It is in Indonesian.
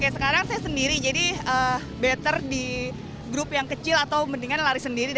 sekarang saya sendiri jadi better di grup yang kecil atau mendingan lari sendiri